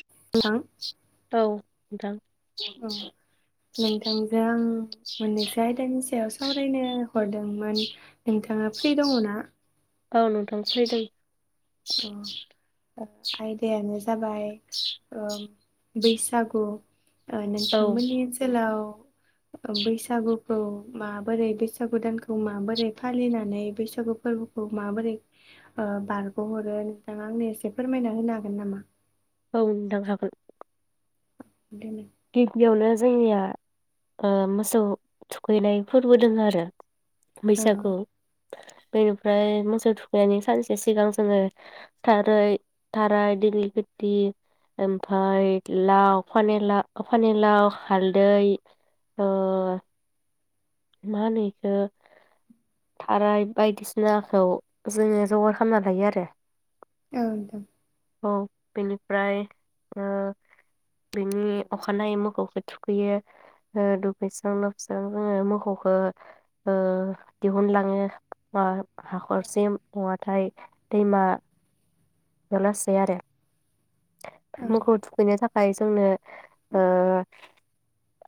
औ नोंथां । नोंथां औ नोंथांजों मोननैसो आयदानि सायाव सावरायनो हरदोंमोन ।। नोंथाङा फ्रि दङ ना? औ नोंथां फ्रि दायो द ओ आयदायानो ज जाबाय ओम बैसागु ओ औ नोंथांमोननि ओनसोलाव ओ बैसागुखौ माबोरै बैसागु दानखौ माबोरै फालिनानै बैसागु फोरबोखौ माबोरै ओ बार गहरो नोंथाङा आंनो एसे फोरमायना होनो हागोन नामा? औ नोंथां हागोन । दोनै गिबियावनो जोंनिया ओ मोसौ थुखैनाय फोरबो दोङो आरो । औ बैसागु बेनिफ्राय मोसौ थुखैनायनि सानसे सिगां जोङो थारै थाराय दिगलिपित्ति ओमफाय लाव फानेला फानिलाव हालदै ओ मा होनो एखो थाराय बायदिसिनाखौ जोङो जगार खालामना लायो आरो । औ दा औ बेनिफ्राय ओ बेनि अखानायै मोखौखो थुखैयो ओ दुगैस्रां लोबस्रां जोङो मोखौ खौखो ओ दिहुनलाङो बा हाखरसिम नङाथाय दैमा याव लासै आरो औ मोखौ थुखैनो थाख खाय जोंनो ओ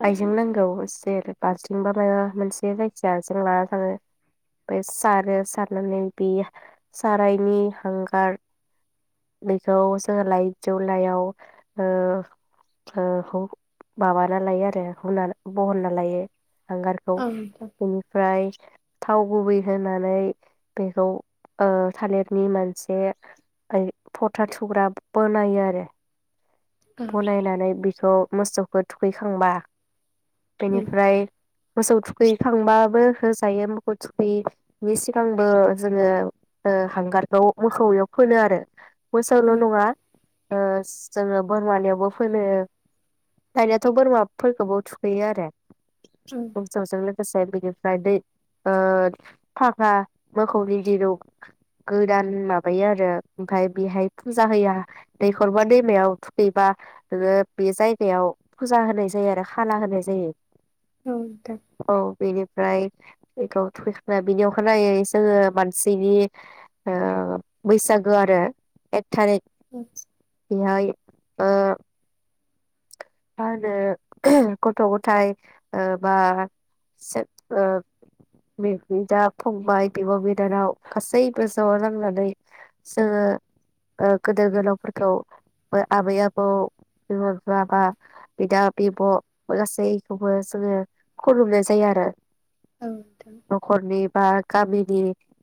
आइजें नांगौ जेर बालथिंबा मायबा मोनसे जायखिजाया जों लाना थाङो उमफाय सारो सारनानै बेयो सारायनि हांगार बेखौ जोङो लाय जौलायाव ओ ओ हु माबाना लायो आरो हुनार बहनना लायो। हांगारखौ औ नोंथां बेनिफ्राय थाव गुबै होनानै बेखौ ओ थालिरनि मोनसे आइ फथा थुग्रा बनायो आरो औ बलायनानै बि स' मोसौखौ थुखैखांबा औ बेनिफ्राय मोसौ थुखैखांबाबो होजायो मोखौ थुखैयिनि सिगांबो जोङो ओ हांगारखौ मोखौयाव फोनो आरो मोसौल' नङा ओज जोंङोब बोरमानियावबो फोनो दानियाथ' बोरमाफोरखौबो थुखैयो आरो‌। औ [unintelligible] गोसे बिनिफ्राय दै ओ फागा मोखौनि दिरुं गोदान माबायो आरो ओमफाय बेहाय फुजा हैया दैखरबा दैमायाव दै बा नोङो बे जायगायाव फुजा होनाय जायो आरो खाला होनाय जायो औ नोंथां ओमफ्राय बेखौ थुखैखांना बिनि अखा नायै जोङो मानसिनि ओ बैसागो आरो एक थारिख [inaudible] बेहाय ओ मा होनो गथ' गथाय ओ बा जो ओ बिदा फंबाय बिब' बिनानाव गासैबो ज' नांनानै जोङो ओ गोदोर गोलावफोरखौ आबै आबौ बिमा बिफा बा बिदा बिब' गासैखौबो जोङो खुलुमनाय जायो आरो औ नोंथां न'खरनि बा गामिनि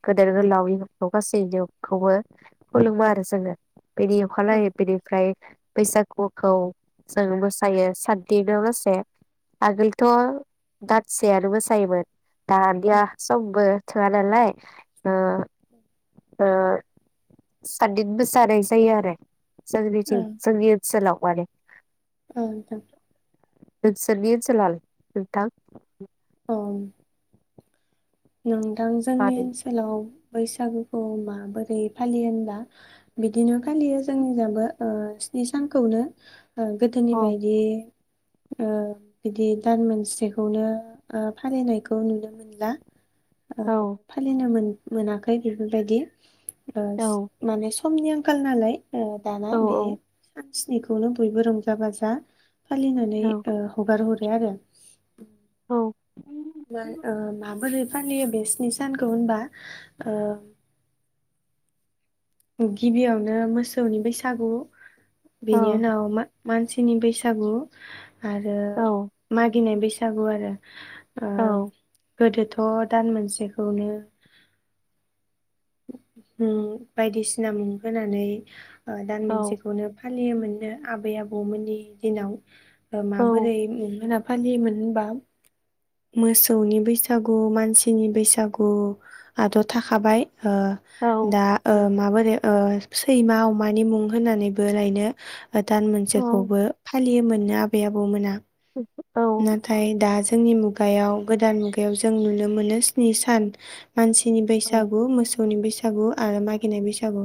गोदोर गोलाव [unintelligible] खौबो खुलुमो आरो जोङो बेनि अखा औ नायै बेनिफ्राय बैसागुखौ जों मोसायो साद दिनावलासे आगोलथ' दानसेयानो मोसायोमोन औ दानिया समबो थोआ नालाय ओ ओ साददिन मोसानाय जायो आरो औ जोंनिथिं जोंनि ओनसोलाव माने औ नोंथां नोंसोरनि ओनसोलाल नोंथां ओं नोंथां जोंनि मारै ओनसोलाव बैसागुखौ माबोरै फालियो होनबा बिदिनो फालियो जोंनिजाबो ओ स्नि सानखौनो गोदोनि औ बायदि ओ बिदि दान मोनसेखौनो ओ फालिनायखौ नुनो मोनला आरो औ फालिनोमोन मोनाखै बेफोरबायदि ओस औ मानेस समनि आंखाल नालाय ओ दाना औ बे स्निखौनो बयबो रंजा बाजा फालिनानै औ ओ हगार हरो बे आरो औ औ ओ माबोरै फालियो बे स्नि सानखौ होनबा ओ गिबियावनो मोसौनि बैसागु औ बिनि उनाव मा मानसिनि बैसागु आरो मा गिनाय बैसागु आरो औ आम गोदोथ' दान मोनसेखौनो ओम बायदिसिना मुं होनानै दान औ मोनसेखौनो फा फालियोननो आबै आबौमोननि दिनाव औ माबोरै [unintelligible] फालियोमोन होनबा मोसौनि बैसागु मानसिनि बैसागुआथ' थाखाबाय ओ औ दा ओ माबोन ए ओ सैमा अमानि मुं होननानैबो लायनो दान औ मोनसेखौबो फालियोमोननो बेै आबौ मोना। औ औ जोंनि मुगायाव गोदान मुगायाव जों नुनो मोनो स्नि सान मानसिनि औ बैसागु मोसौनि बैसागु बैसागु आरो मागिनाय बैसागु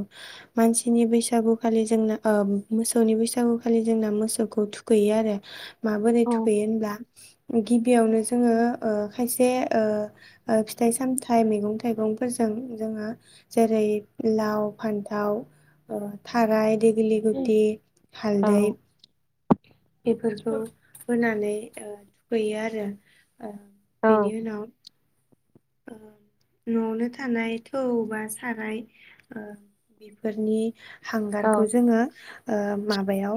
मानसिनि बैसागु खालि जोंना ओ मोसौनि बैसागु खालि जोंना मोसौखौ थुखैयो आरो माबोरै थु औ बेेनब्ला गि बियावनो जोंङो ओ खायसे ओ ओ फिथाइ सामथाय मैगं थाइगंफोरजों जोंङो जेरै लाव फान्थाव ओ थाराय दिग दिगिलि गुटि हालदै बेफोरखौ होनानै थुखैयो आरो । ओ बेनि उनाव ओ न'आवनो थानाय थौ बा साराय ओ बेफोरनि हांगारखौ जोङो ओ माबायाव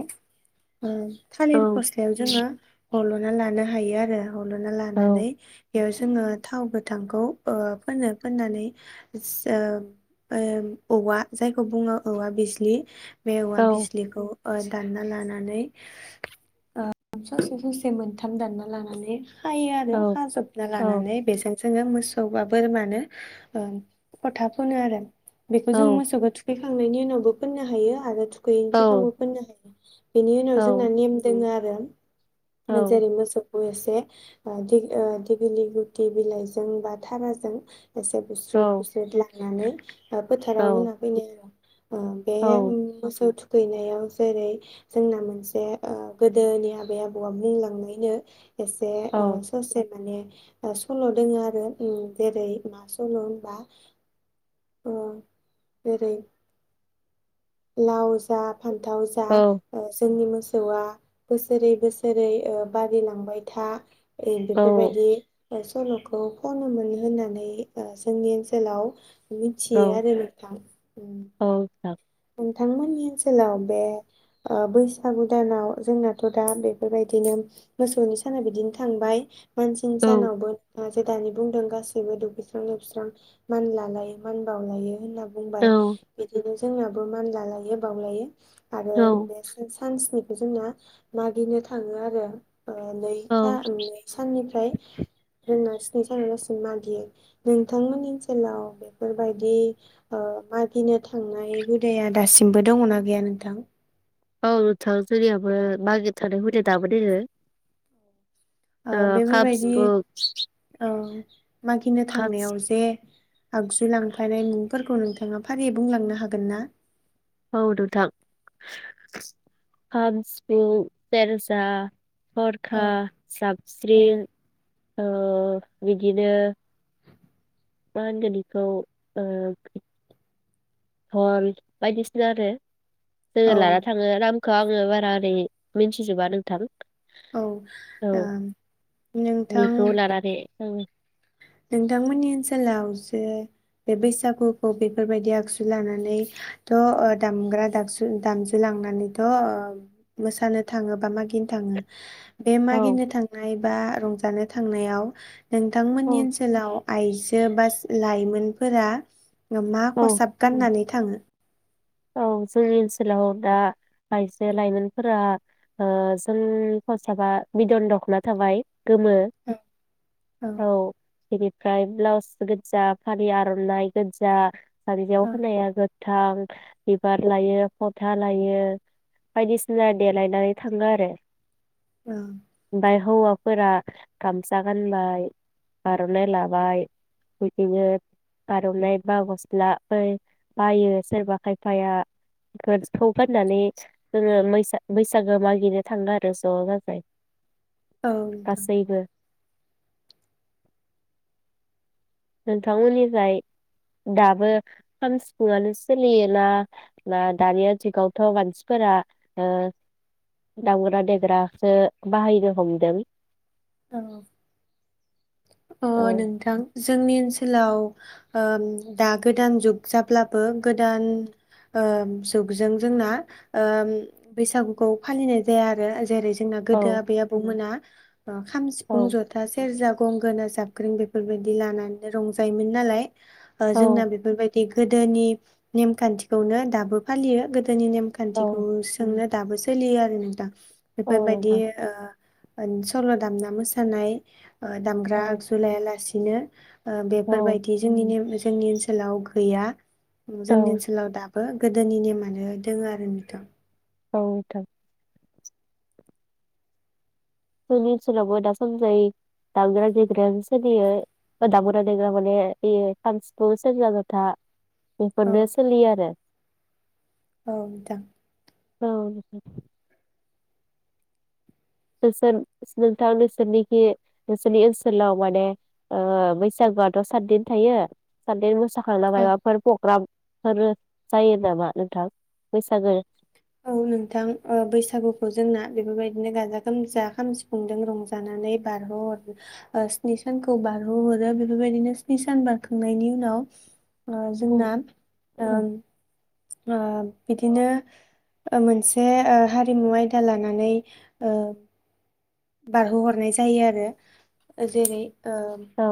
ओ थालिर फस्लायाव जोंङो हल'ना लानो हायो आरो । हलना लानानै बेयाव जोंङो थावबो थांखौ ओ फोनो फोननानै जों ओ-ओ-औवा जायखौ बुङो औवा बिज्लि बे औवा बिज्लिखौ ओ दानना लानानै ओ ससे ससे मोनथाम दानना लानानै खायो आरो खाजोबना लानानै बेजों जोंङो मोसौ बा बोरमानो फथा फुनो आरो । बेखौ जों मोसौखौ थुखै थांनायनि उनावबो फोननो हायो आरो थुखैयिनि सिगांबो फोननो हायो । औ बेनि उनाव जोंना नेम दङ आरो [unintelligible] जेरै मोसौ लोगोसे दिग ओ दिगिलिति बिलायजों जों बा धाराजों एसे बुस्रोद बुस्रोद लां नानै फोथाराव होना फैनाय आर' ओ बे मोसौ थुख थुखैनायाव जेरै जोंना मोनसे ओ गोदोनि आबै आबौआ बुंलांनायनो एसे ससे माने सल' दङ आरो जेरै मा सल होनबा जेरै ओ जेरै। लावजा। फान्थाव जा औ जोंनि। मोसौआ बोसोरै बोसोरै बारिलांबाय था। ए बेफोरबायदि। सल'खौ खनोमोन होननानै जोंनि ओनसोलाव। मिथियो औ औ आरो नोंथां। औ नोंथां। नोंथांमोननि ओनसोलाव बे बैसागु दानाव जोंनाथ' दा बेफोरबायदिनो मोसौनि साना बिदिनो थांबाय। मानसिनि औ सानावबो। जे दानि बुंदों गासैबो दुगैस्रां लोबस्रां मानलालायो मान बावलायो होनना। बुंबाय औ बिदिनो। जोंना। मान लालायो बावलायो। आरो औ बे सानस्नि। जोंना मागिनो थाङो आरो। ओ नैथा औ [unintelligible] साननिफ्राय जोङो। सानहालासिम मागियो नोंथांमोन ओनसोलाव बेफोरबायदि ओ मागिनो थांनाय। हुदाया दासिमबो दङ ना गैया नोंथां? [unintelligible] ओ ओ [unintelligible] मागिनो खाम थांनायाव जे। आगजु लांफानाय मुंफोरखौ नोंथाङा फारियै बुंलांनो हागोन ना? औ नोंथां खाम सिफुं पेरजा। औ हरखा जाब औ स्रिं ओ बिदिनो। मा होनगोन इखौ ओ। धल बायदिसिना आरो। जोङो औ लाना थाङो [unintelligible] खो आङो बारा ओरै मिथ्निजोबा नोंथां। औ ओ औ नोंथां बेखौ लानानै ओं। नोंथांमोननि ओनसोलाव जो बे बैसागुखौ बेफोरबायदि आगजु लानानै थ' ओ दामग्रा दागसु दामजु लांनानैथ' ओ मोसानो थाङो बा मागिनो थाङो। बे औ मागिनो थांनाय। बा रंजानो थांनायाव। नोंथांमोननि औ ओनस सोलाव आइजो बास लाइमोनफोरा। [unintelligible] मा औ खसाब गाननानै। थाङो औ जोंनि ओनसोलाव दा आइजो लाइमोनफोरा ओ जोंनि खसाबा बिद'न द'खना थाबाय गोमो, औ इदि फ्राय ब्लाउसबो गोजा फालि आर'नाइ गोजा, जान्जियाव औ खानाया गोद थां बिबार लायो फ'था लायो बायदिसिना देलायनानै थाङो आरो औ ओमफ्राय हौवाफोरा गामसा गानबाय आर'नाइ लाबाय बिदिनो आर'नाइ बा गस्ला बै बायो सोरबा खायफ फाइया गोसखौ गान्नानै जोङो मैसा बैसागो मागिनो थाङो आरो ज'ज जाय, औ नोंथां नोंथांमोननिजाय दाबो खाम सिफुङानो सोलियोना ना दानिया जुगावथ' मानसिफोरा ओ दामग्रा देग्रासो बाहायनो हमदों, औ अ' औ नोंथां जोंनि ओनसोलाव ओम दा गोदान जुग जाब्लाबो गोदान ओम जुगजों जोंना ओम बैसागुखौ फालिनाय जाया आरो जेरै जोंना गोदो औ आबै आबौमोना ओ खाम, औ सिफुं, जथा, सेरजा गंगोना, जाबख्रिं बेफोरबायदि लानानै रंजायोमोन नालाय ओ जोंना औ बेफोरबायदि गोदोनि नेमखान्थिखौनो दाबो फालियो गो दोनि नेमखान्थिखौ औ सोंनो दाबो सोलियो आरो नोंथां। औ बेफोरबायदि नोंथां ओ सल दामना मोसानाय, दामग्रा औ आगजु लायालासे सिनो ओ औ बेफोरबायदि जोंनि नेम जोंनि ओनसोलाव गैया। औ जोंनि ओनसोलाव दा बो गोदोनि नेमानो दोङो आरो नोंथां। औ नोंथां। जोंनि ओनसोलावबो दासम जाय दामग्रा देग्रायानो सोलियो। दामग्रा देग्रा माने बेयो काम, सिफुं, सेरजा, जथा, औ बेफोरनो सोलियो आरो। औ नोंथां। औ नोंथां नोंसोर नोंथां नोंसोरनिखि नोंसोरनि ओनसोलाव माने ओ बैसागुआथ' साददिन थायो साददिन मोसा खांना मायबाफोर फ्रग्राम फोर जायो नामा नोंथां? बैसागो औ नोंथां। ओ बैसागुखौ जोंना बेफोरबायदिनो गाजा गोमजा खाम, सिफुंजों रंजानानै बारहोहर ओ स्नि सानखौ बारहोहरो। बेफोरबायदिनो स्नि सान बारखांनायनि उनाव ओ औ जोंना ओ ओ बिदिनो ओ मोनसे ओ हारिमु आयदा लानानै ओ बारहोहरनाय जायो आरो। जेरै ओम औ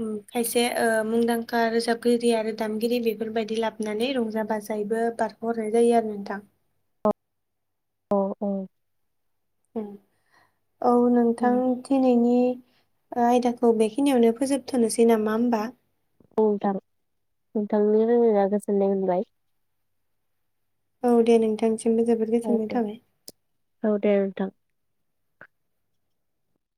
उम खायसे ओ मुंदांखा रोजाबगिरि आरो दामगिरि बेफोरबायदि लाबोनानै रंजा बाजायैबो बारहो हरनाय जायो आरो नोंथां। अ औ ओ। उम। औ नोंथां दिनैनि आयदाखौ बेखिनियावनो फोजोबथनोसै नामा होमबा? औ नोंथां नोंथांजों रायज्लायना गोजोननाय मोनबाय। औ दे नोंथां सिमबो जोबोद औ गोजोननाय दे थाबाय। औ दे नोंथां